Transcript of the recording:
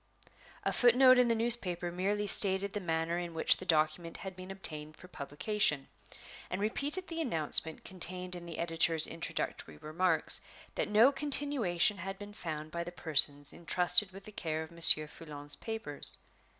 A foot note in the newspaper merely stated the manner in which the document had been obtained for publication, and repeated the announcement contained in the editor's introductory remarks, that no continuation had been found by the persons intrusted with the care of Monsieur Foulon's papers.